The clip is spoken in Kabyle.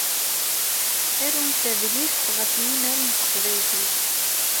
Arumt adlis ɣef imal n teqbaylit.